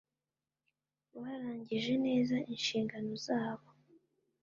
Barangije neza inshingano zabo